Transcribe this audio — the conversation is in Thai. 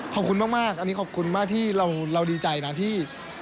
ขอบคุณมากอันนี้ขอบคุณมากที่เราดีใจนะที่